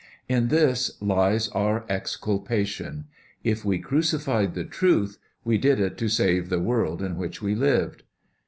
In this lies our exculpation. If we crucified the Truth, we did it to save the world in which we lived.